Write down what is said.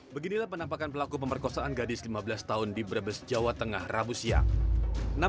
beginilah penampakan pelaku pemerkosaan gadis lima belas tahun di brebes jawa tengah rabu siang